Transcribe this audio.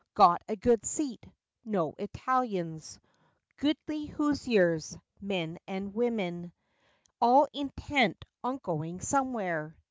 Got a good seat: no Italians; Goodly Hoosiers, men and women, All intent on going somewhere.